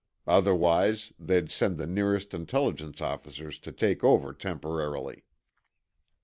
Otherwise, they'd send the nearest Intelligence officers to take over temporarily."